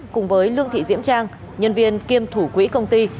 cùng với lương thị diễm trang nhân viên kiêm thủ quỹ công ty